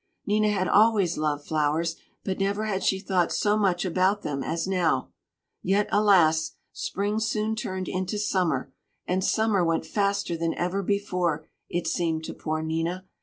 Nina had always loved flowers, but never had she thought so much about them as now. Yet, alas! Spring soon turned into summer, and summer went faster than ever before, it seemed to poor Nina.